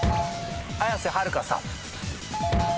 綾瀬はるかさん。